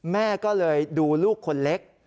แม่ก็เลยดูลูกคนเล็ก